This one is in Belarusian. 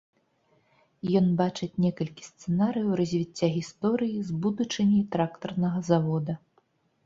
Ён бачыць некалькі сцэнарыяў развіцця гісторыі з будучыняй трактарнага завода.